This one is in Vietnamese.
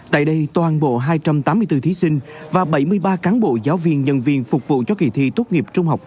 tại đây toàn bộ hai trăm tám mươi bốn thí sinh và bảy mươi ba cán bộ giáo viên nhân viên phục vụ cho kỳ thi tốt nghiệp trung học